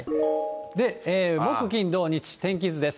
木、金、土、日、天気図です。